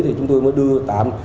thì chúng tôi mới đưa tạm